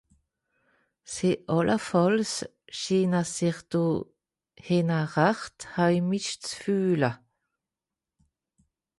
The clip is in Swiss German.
Sie àllefàlls schiine sich do hìnne rächt heimisch ze fìehle.